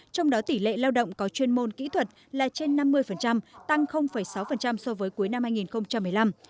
trong đó tỷ lệ lao động có chuyên môn kỹ thuật là trên năm mươi tăng sáu so với cuối năm hai nghìn một mươi năm